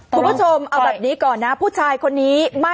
ปรากฏว่าสิ่งที่เกิดขึ้นคลิปนี้ฮะ